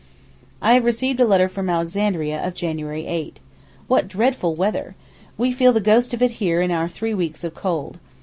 I have received a letter from Alexandria of January 8. What dreadful weather! We felt the ghost of it here in our three weeks of cold.